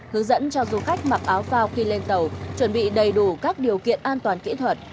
hướng dẫn cho du khách mặc áo phao khi lên tàu chuẩn bị đầy đủ các điều kiện an toàn kỹ thuật